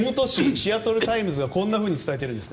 シアトルタイムズがこんなふうに伝えているんです。